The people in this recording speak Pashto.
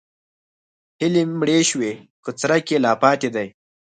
هیلې مړې شوي که څرک یې لا پاتې دی؟